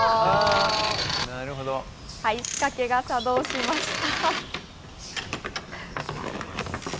仕掛けが作動しました。